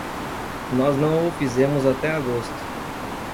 Nós não o fizemos até agosto.